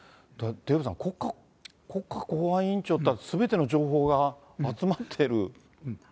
デーブさん、国家公安委員長っていったら、すべての情報が集まってる。